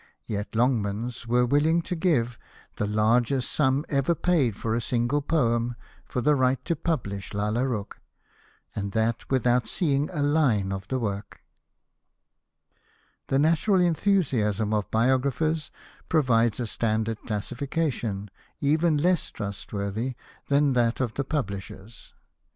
Yet Longmans were willing to give the largest sum ever paid for a single poem for the right to publish Lalla Rookh^ and that without seeing a line of the work. Hosted by Google INTRODUCTION ix The natural enthusiasm of biographers provides a standard of classification even less trustworthy than that of the publishers.